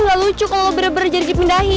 nggak lucu kalau lo bener bener jadi dipindahin